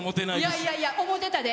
いやいやいや、思ってたで。